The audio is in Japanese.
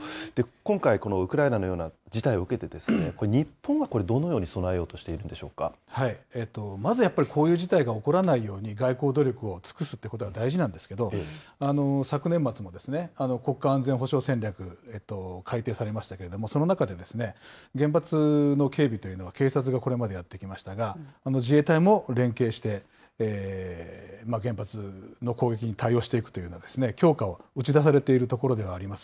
今回、このウクライナのような事態を受けて、日本はこれ、どのように備まずやっぱりこういう事態が起こらないように、外交努力を尽くすということが大事なんですけれども、昨年末も国家安全保障戦略が改定されましたけれども、その中で原発の警備というのは警察がこれまでやってきましたが、自衛隊も連携して原発の攻撃に対応していくというような強化を打ち出されているところではあります。